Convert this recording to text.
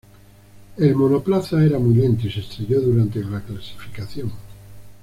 El monoplaza era muy lento, y se estrelló durante la clasificación.